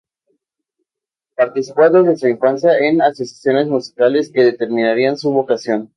Participó desde su infancia en asociaciones musicales que determinarían su vocación.